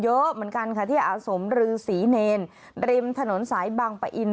เยอะเหมือนกันค่ะที่อาสมรือศรีเนรริมถนนสายบังปะอิน